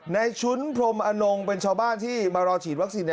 ในชุ้นพรมอนงเป็นชาวบ้านที่มารอฉีดวัคซีน